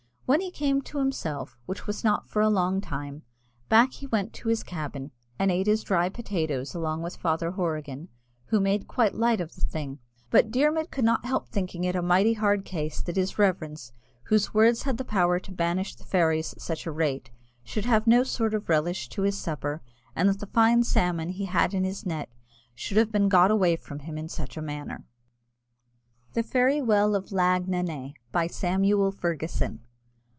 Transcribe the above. When he came to himself, which was not for a long time, back he went to his cabin, and ate his dry potatoes along with Father Horrigan, who made quite light of the thing; but Dermod could not help thinking it a mighty hard case that his reverence, whose words had the power to banish the fairies at such a rate, should have no sort of relish to his supper, and that the fine salmon he had in the net should have been got away from him in such a manner. THE FAIRY WELL OF LAGNANAY. BY SAMUEL FERGUSON.